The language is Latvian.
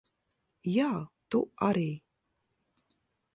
Jā, tu arī.